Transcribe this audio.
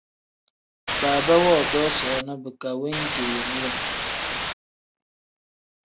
Baaba woodoo soona bika wengeeri lim.